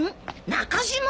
中島。